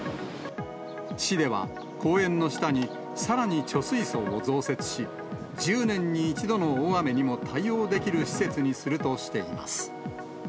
市では、公園の下にさらに貯水槽を増設し、１０年に一度の大雨にも対応できる施設にするとしています。